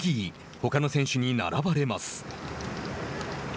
ほかの選手に並ばれます。